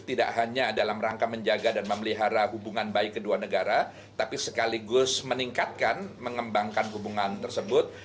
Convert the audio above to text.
tidak hanya dalam rangka menjaga dan memelihara hubungan baik kedua negara tapi sekaligus meningkatkan mengembangkan hubungan tersebut